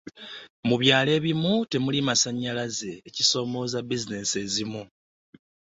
mu byalo ebimu temuli masannyalaze, ekisoomooza bizineesi ezimu.